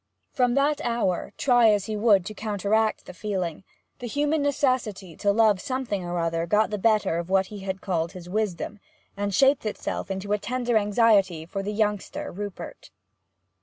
From that hour, try as he would to counteract the feeling, the human necessity to love something or other got the better of what he had called his wisdom, and shaped itself in a tender anxiety for the youngster Rupert.